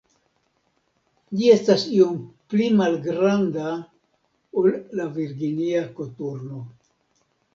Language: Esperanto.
Ĝi estas iom pli malgranda ol la Virginia koturno.